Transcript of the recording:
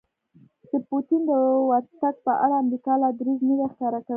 د پوتین د ورتګ په اړه امریکا لا دریځ نه دی ښکاره کړی